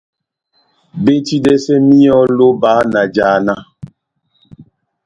Betidɛsɛ míyɔ ó lóba na jána.